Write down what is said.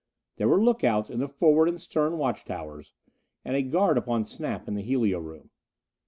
There were look outs in the forward and stern watch towers, and a guard upon Snap in the helio room.